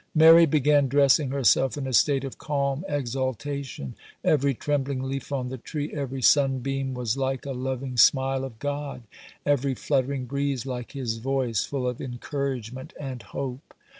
Mary began dressing herself in a state of calm exaltation. Every trembling leaf on the tree, every sunbeam was like a loving smile of God, every fluttering breeze like His voice, full of encouragement and hope.